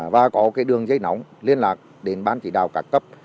và có đường dây nóng liên lạc đến bàn chỉ đào cả cấp